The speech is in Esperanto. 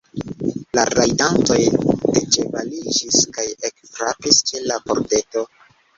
La rajdantoj deĉevaliĝis kaj ekfrapis ĉe la pordeto.